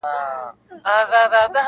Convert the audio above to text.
چي ماشوم وم را ته مور کیسه کوله -